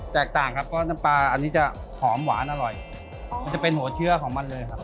แตกต่างครับเพราะน้ำปลาอันนี้จะหอมหวานอร่อยมันจะเป็นหัวเชื้อของมันเลยครับ